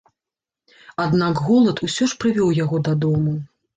Аднак голад усё ж прывёў яго дадому.